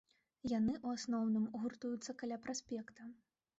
Яны ў асноўным гуртуюцца каля праспекта.